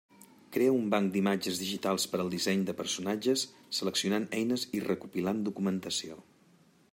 Crea un banc d'imatges digitals per al disseny de personatges seleccionant eines i recopilant documentació.